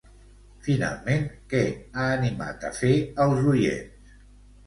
Finalment, què ha animat a fer als oients?